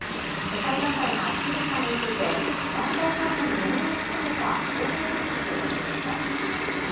主催団体がスミスさんについて団体からの除名も含めた懲戒手続きを始めました。